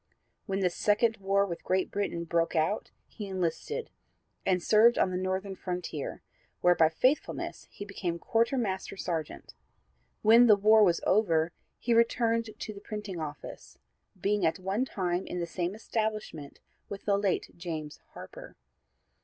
When the second war with Great Britain broke out he enlisted, and served on the Northern frontier, where by faithfulness he became Quartermaster Sergeant. When the war was over he returned to the printing office, being at one time in the same establishment with the late James Harper.